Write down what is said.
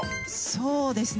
そうですね。